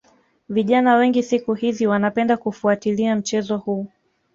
Vijana wengi siku hizi wanapenda kufuatilia mchezo huu